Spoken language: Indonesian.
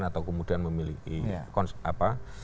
atau kemudian memiliki konsep